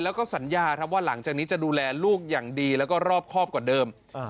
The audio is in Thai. แล้วก็สัญญาครับว่าหลังจากนี้จะดูแลลูกอย่างดีแล้วก็รอบครอบกว่าเดิม